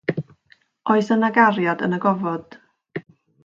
Oes yna Gariad yn y Gofod?